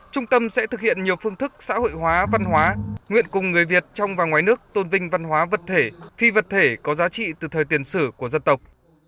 trung tâm sẽ thực hiện nhiều phương thức xã hội hóa văn hóa nguyện cùng người việt trong và ngoài nước tôn vinh văn hóa vật thể phi vật thể có giá trị từ thời tiền sử của dân tộc